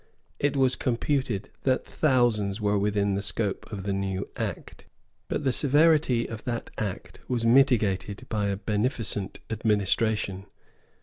It was computed that thousands were within the scope of the new Act. But the severity of that Act was mitigated by a beneficent administration.